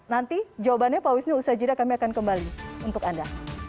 nanti jawabannya pak wisnu usaha jeda kami akan kembali untuk anda